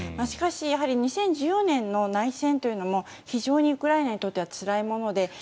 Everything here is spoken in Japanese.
しかし２０１４年の内戦というのも非常にウクライナにとってはつらいもので。